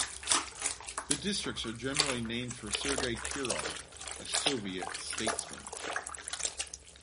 The districts are generally named for Sergey Kirov, a Soviet statesman.